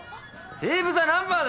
セーブザナンバだよ！